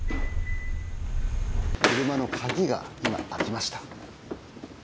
車の鍵が今、開きました。